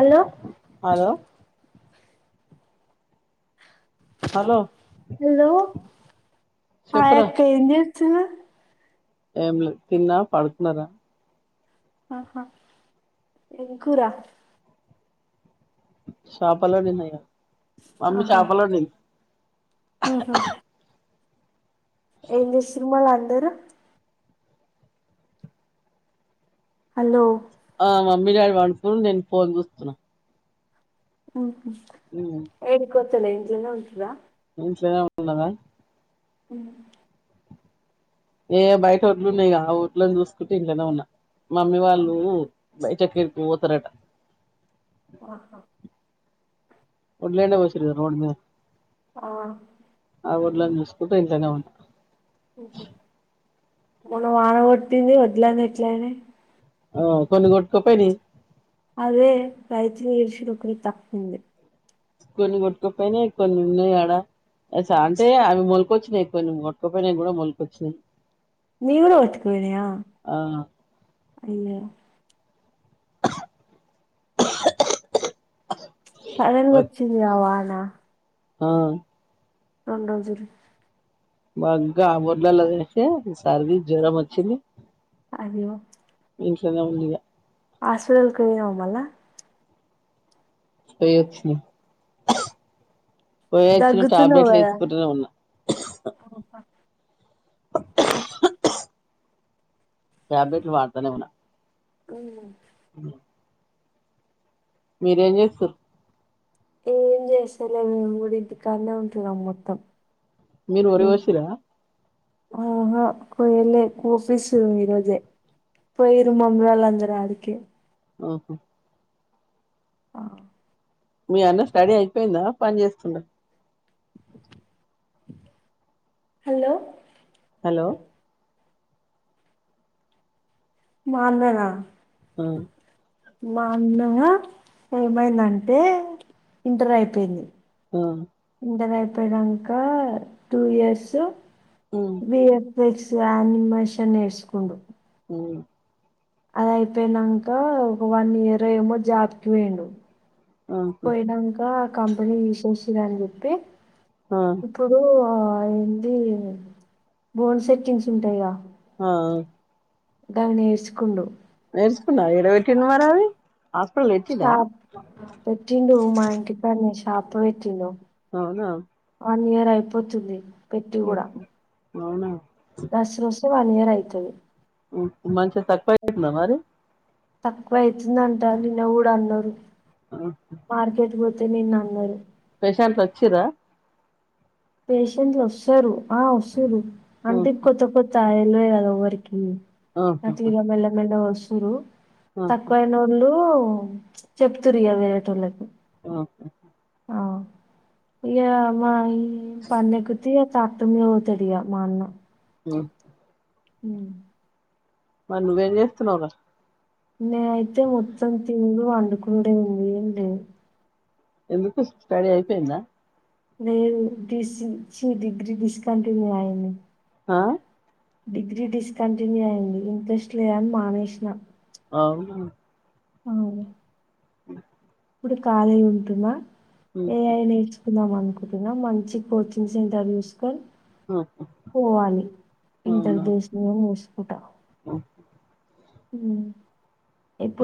Hello hello hello hello చెప్పురా ఆయాక్కంది చు ఏం లే తిన్నా పడుకున్నారా ఆహా ఎం కూరా చాపలు వండినయిగ అన్ని ఆహా చాపలు ఉన్నయి ఉహు. ఏం చేసిం సిర్మాల అందరు హలో ఆ మమ్మీ డాడీ పండుకుని నేను ఫోన్ చూస్తున్నా ఉ ఏం కోర్ తో నైంటీ లో ఉంటర ఇంట్లోనే ఉండదా అ ఏ బయట ఒడ్లు ఉన్నాయి ఆ ఓడ్లను చూసుకుంటు ఇంట్లోనే ఉన్నా మమ్మీ వాళ్ళు బైట కీళ్ పోతర అటా ఆహా. ఒడ్లేనేే పోసిర్ కద రోడ్ మీద ఆ. ఆ ఒడ్ల ని చూస్కుక ఇంట్లోనే ఉన్న మనం ఆడగొట్టింది వడ్లైననే ఎట్లయినే ఆ కొన్ని గొట్కప్పయిని అదే రైతుని ఇరుషుడు గీత అంది కొన్ని వట్కుప్పైనే ఇ న అడా అస అంటే అమె మల్కొచ్చి ని కొెన్ని గొట్టుకునేకూడా మొలికొచ్చింది నీవుగుడ ఉత్తుకున్నయా అయ్యో పడలు ఆ వచ్చింది అవన నా ఆ రెండు రోజులు మగ్గా అమోదలాలాజస సార్ది జ్వరము వచ్చింది అదిగో ఇంట్లోనే ఉందిగ హాస్పిటల్కి వెళ్ళినావు మళ్ళా పోయి వచ్చిన పోయొచ్చిన దగ్గుతున్నావు టాబ్లెట్లు కదా వేసుకుంటూనే ఉన్నా ట్యాబ్లెట్లు వాడతానే ఉన్న మ్ మ్మ్ మీరేం చేస్తారు ఏం చేస్తలే మేము కూడా ఇంటికాడనే ఉంటున్నాం మొత్తం మీరు కూడా ఏ- వర్షిరా ఆహా కోయలే కోసేసిండ్రు ఈ రోజే, కోయరు ముందుగాల అందరానికి మ్మ్ హు ఆ మీ అన్న స్టడీ అయి పోయిందా పని చేస్తుండ హలో అ హలో మా అన్న నా ఆ మా అన్నదా ఏమైందంటే ఇంటర్ అయిపోయింది ఆ ఇంటర్ అయిపోయినాక టూ ఇయర్స్ ఉమ్ బి యన్ నెక్స్ట్ అనిమేషన్ నేర్సుకుండు మ్మ్ హు అదయిపోయినాక ఒక వన్ ఇయర్ ఏమో జాబ్కి పోయిండు ఆహా పోయినాంకా కంపెని తీసేసి నని చెప్పి ఆ ఇప్పుడు ఆ అవేందీ బోర్ సెట్టింగ్స్ ఉంటాయిగా ఆ గవి నేర్చుకుండు నేర్చుకున్నవ ఈడ పోయి కింద పడా హాస్పిటల్ ఎక్కిండా షాప్ పోయి ఎక్కిండు అవునా వన్ ఇయర్ అయిపోతుంది పెట్టి కూడ అవునా దస వస్ వన్ ఇయర్ అయితది మంచి తప్పైపిందా మరి తక్కువె అయితుందంట నిన్న కూడా అన్నారు మార్కెట్ పోయ్ అదే నిన్నరు పేషంట్లు వచ్చిర పేషెంట్లు వస్తారు ఆ వస్తరు అంటే కొత్త కొత్తయి [unintelligible] ఆహాహా అట్లిగా మెల్లగ్ మెల్లగ్ వస్తు చూడు ఆహా తకువై నోల్లు హ్మ్ చెప్తురిగా వేరేటోళ్ళకి ఆహ ఆ ఇగ మా ఈ హ్మ్ పాన్న కుత్త చటుమ అవుతడి మా అన్న హ్మ్ హ్మ్ మరి నువ్వేం చేస్తున్నావు రా నేనైతే మొత్తం తిండు పండకుండే ఇగ ఏం చేయను [unintelligible] ఎందుకు పని అయిపోయిందా నేను డి సి చ్చి డిగ్రీ డిస్కంటిన్యూ అయంది ఆ డిగ్రీ డిస్కంటిన్యూ అయింది ఇంట్రెస్ట్ లేదని మానేసిన అవునా అవును ఇప్పుడు కాళీగుంటున్న హ్మ్ కుందాం అనుకుంటున్నాం మంచి కోచింగ్ సెంటర్ చూసుకొని హ్మ్ పోవాలి ఇంతర్ అవునా దేశనీయం మూసుకుట హ్మ్ హ్మ్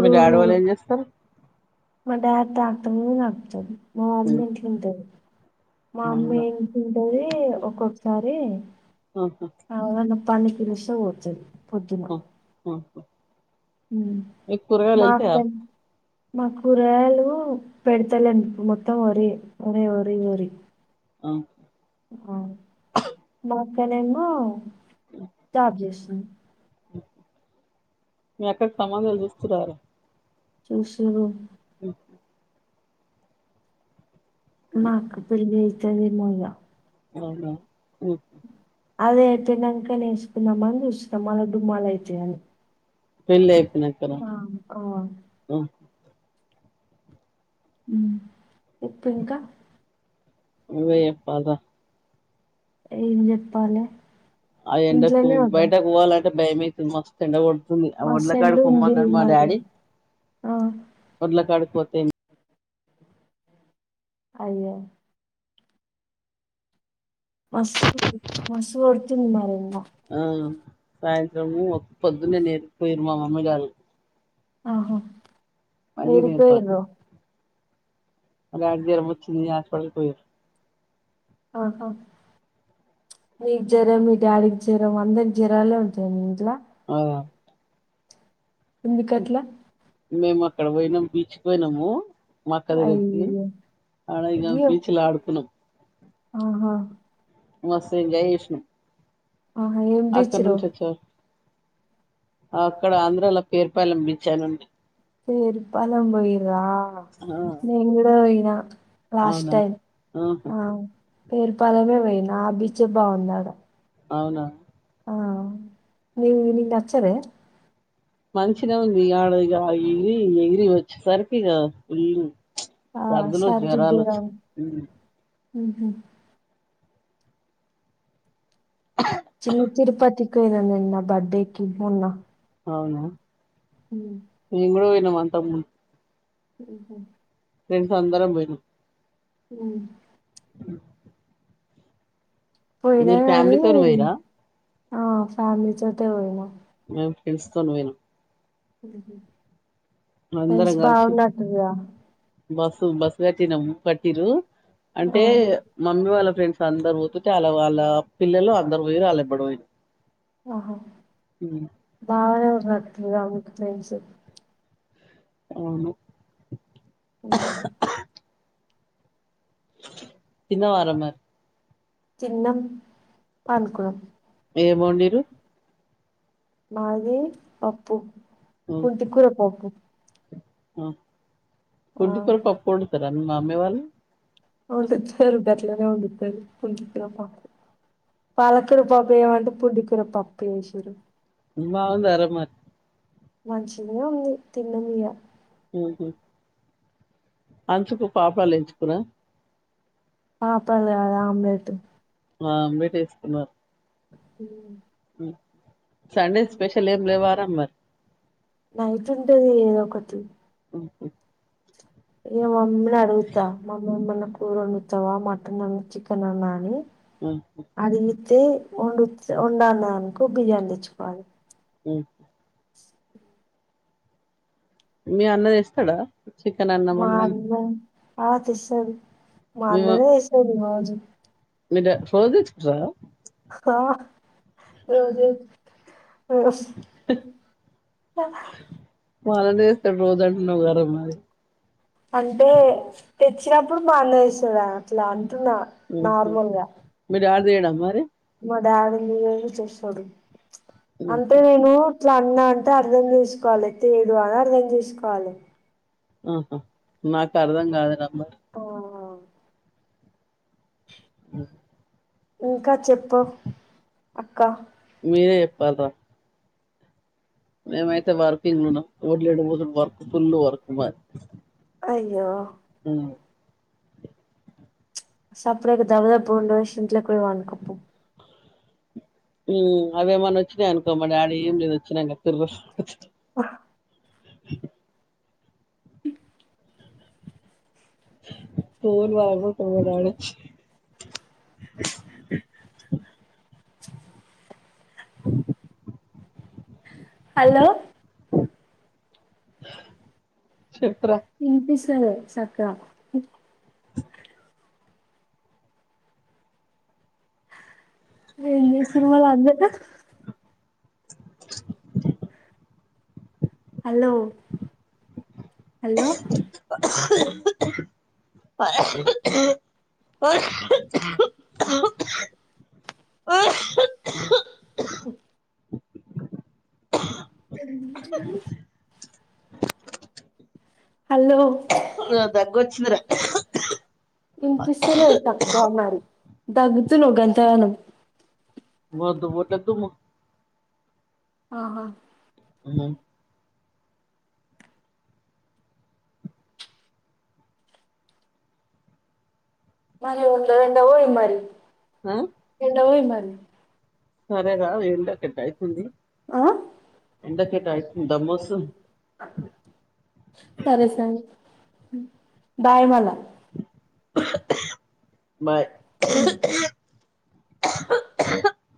మీ డాడీవాళ్ళ ఏం చేస్తారు మా డాడ్ డాక్టర్ నాకు నచ్చదు మా మమ్మీ హ్మ్ ఇంట్లో ఉంటాది మా అవునా అమ్మేమ్ సరె ఒక్కొక్కసారి ఆహా పన్నకి నిమిషం పోతుంది [unintelligible] [inaudible] మీకు కూరగాయలు వెళ్తాయా మాక్కన్ మా కూరగాయాలు పెడతలేండి మొత్తం వరి ఒరే వరి వరి ఆ. హమ్ తనేమో జాబ్ చేస్తుంది మీ అక్క సంబంధాలు చూస్తున్నారు చూశిను ఉమ్ మా అక్క పెళ్లయితే చలిమల్ల అవునా అదే అయితే కనక వేసుకుందామని చూస్తం మల డుమ్మాల అయితయ్ అని పెళ్లి అయిపో నంక రా అ మ్ ఇప్పుడు ఇంకా నువ్వే చెప్పాల్రా ఏం చెప్పాలె ఆ ఎండకు బయటకు పోవాలంటే భయమైతుంది మ ఎండ కొడుతోంది తుంది మా సెల్లు ఉళ్లకాడికి ఉంది పొమన్నడు మా మరి డాడీ ఆ ద్దొడ్ల కాడికి పోతే అయ్యో మస్తు మస్తు కొడుతుంది మరి ఆ సాయంత్రము మో పొద్దున్నే నేర్పే మా మమ్మీ డాడీ ఆహ ఊరికి పోయిన్రు అగ జ్వరం వచ్చింది ఆ పలిపేర్ ఆహా నీకు జ్వరం మీ డాడీకి జ్వరం అందరికి జ్వరాలే ఉంటయ మీ ఇంట్ల ఔ ఎందుకట్ల మేము అక్కడ పోయినం బీచ్కి పోయినము మా అక్క దగ్గరికి అయ్యో ఆడ ఈడ అయ్యో బీచ్ ల ఆడుకున్నాం ఆహా మస్త్ ఎంజాయ్ చేశ్నం ఆహా ఏం తెచ్చిర్రో అక్కడ ఆంధ్రల పేర్ పాలేం బీచ్ చేయ్ మంది పేరు పాలెం పోయి రా ఆ నేన్ గూడా పొయినా లాస్ట్ అవునా టైం ఆహా ఆ పేరు పాళెమే పోయినా ఆ బీచే బావుందాడ అవునా ఆ [inaudible] నచ్చదే మంచిన ఉంది ఆడ ఇగ అవి ఎగిరి ఎగిరి వచ్చేసరికిక ఆ దగ్గులు జ్వరాలు వచ్చినయ్ మ్ హూ చిన్న తిరుపతికి పొయినా నా బర్డేకి మొన్న అవునా ఉమ్, నేనైతే గూడొ పోయినా ను వంటము ఊహూ ఫ్రెన్సందరం పొయ్ నమ్ మ్హ్ పోయిరా మీరు వారు ఫ్యామిలీతోని పోయిరా ఆ ఫ్యామిలీ తోటే పోయినా మేం పిలుసుకోని వెళ్ ఉహూ వెజ్ అందరం కలిసి బావున్నట్టుందిగా బస్సు బస్ గటినం కట్టిర్రు అంటే ఆ మమ్మీ వాళ్ళ ఫ్రెండ్స్ అందరు పోతుంటే అలా వాళ్ళ పిల్లలు అందరు పోయిర్రు వాళ్ళెమ్మడి పోయ్నం ఆహా బాగానే [inaudible] [unintelligible] అవును ఓకే తిన్నవార మరి తిన్నం ఏం పండుకున్నం వండిరు మాదీ పప్పు కుంటు కూర పప్పు ఆ ఆ కుంటి కూర పప్పోండుతారా మీ మమ్మి వాళ్ళు వండుతారు గట్లనే వండుతారు కుంటికూర పప్పు, పాలకూర పప్పు ఏయమంటే కుంటికూర పప్పు ఎసిర్రు బాగుందార మర్ మంచినే ఉంది తిన్నమీగ ఉహూ అంచుకు పాప్డాలేయించుకుర్రా పాపడాల్ కాదు ఆమ్లెట్ ఆమ్లేటేసుకున్నరు హూ [inaudible] సండే స్పెషల్ ఏం లే వార మరి నైట్ ఉంటది ఏదోకటి ఊహూ ఇగ మమ్మీని అడుగుతా మమ్మీ ఎమన్న కూర వండుతావా మటన్ అన్నా చికెనేనా అని ఊహూ తే వండుచ్ వండన్నదనుకో బిర్యాని తెచ్చుకోవాలి మ్మ్ మీ అన్న తేస్తాడా చికెన్ అన్న మా మటనన్ అన్న ఆ తెస్తడు మా అన్ననే తేచ్చేటిది [unintelligible] అ మీదా ఫోన్ తెచ్చుకున్నారా ఆ రోజే ఆ వాళ్ళనే చేస్తాడు రోజు అంటున్నావు గరా మరి అంటే తెచ్చ్ వచ్చినప్పుడు మానేస్తడా అట్లా అం న్నా నార్మల్గా లేడా మరి మా డాడీ లేట్ చేస్తాడు అంతే ఉహు నేను ఇట్లా అన్న అంటే అర్ధం చేసుకోవాలి తేడు అని అర్ధం చేసుకోవాలి హ్మ్ హు నాకు అర్థం కాదు రా మ ఆ అ ఇంకా చెప్పు అక్క మీరే చెప్పాలరా మేమయితే వర్కింగ్ లున్నాం వడ్లు ఎండు వర్కు ఫుల్ వర్కు మ అయ్యో హ్మ్ సాపడకు దవదా పోండ పోషి ఇంట్లో పొయ్ పండుకొ పో హ్మ్ అవేమన్నా వచ్చినాయి అనుకో మా డాడీ ఏం లేదు వచ్చినా తరు శబ్దం అ పోన్ పగలగొడతాడు మా డాడీ వచ్చి హలో చెప్పు రా సరే సక్క ఏం చేస్తున్నావ్ వాళ్లందరితో హలో హలో ఎందుకీ హలో దగ్గు వచ్చిందిరా ఇనిపిస్తాలే తక్కువ మరి దగ్గుతున్నావ్ గంతగనం మదు వటదుము ఆహా హ్మ్ మరి ఉండ ఎండపోయి మరి ఆ ఎండపోయి మరి హ్మ్ సరేరా ఎండ ఇట్టయితుంది ఆ దమ్మొస్తుంది సరే సరే బాయమలా బాయ్ అహు అహు